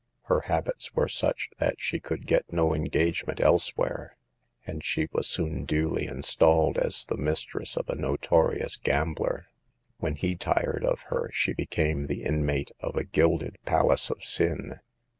Her habits were such that she could get no engagement elsewhere, and she was soon duly installed as the mistress of a notorious gambler. When he tired of her she became the inmate of a gilded palace of sin.